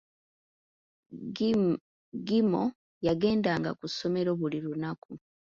Gemo yagendanga ku ssomero buli lunaku.